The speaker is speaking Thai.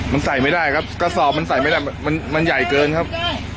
มันใส่ไม่ได้ครับกระสอบมันใส่ไม่ได้มันใหญ่เกินครับ